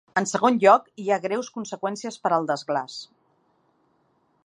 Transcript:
En segon lloc, hi ha greus conseqüències per al desglaç.